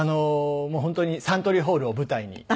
もう本当にサントリーホールを舞台に。